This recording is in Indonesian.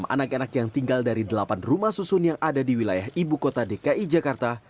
enam anak anak yang tinggal dari delapan rumah susun yang ada di wilayah ibu kota dki jakarta